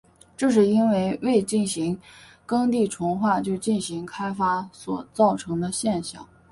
这是因为未进行耕地重划就进行开发所造成的现象。